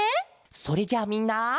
それじゃあみんな。